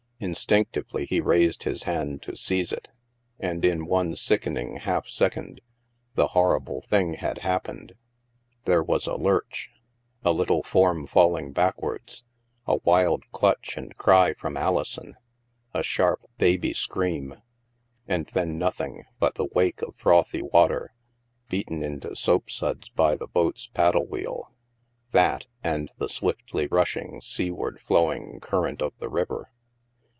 Instinctively, he raised his hand to seize it. And in one sickening half second, the horrible thing had happened. There was a lurch — a little form falling back wards — a wild clutch and cry from Alison — a sharp baby scream — and then nothing but the wake of frothy water beaten into soapsuds by the boat's paddle wheel — that, and the swiftly rushing, sea ward flowing current of the river.